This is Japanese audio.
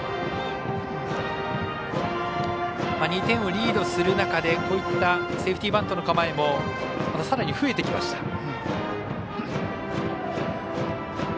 ２点をリードする中でセーフティーバントの構えもさらに増えてきました。